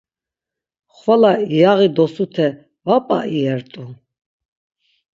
Xvala yaği dosute va p̌a iyert̆u.